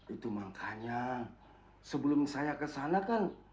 itu makanya sebelum saya ke sana kan